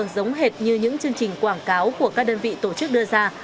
giống hệt như những chương trình quảng cáo của các đơn vị tổ chức đưa ra